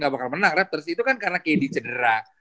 gak bakal menang raptors itu kan karena kayak di cedera